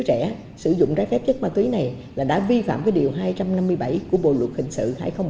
trẻ sử dụng trái phép chất ma túy này là đã vi phạm cái điều hai trăm năm mươi bảy của bộ luật hình sự hai nghìn một mươi năm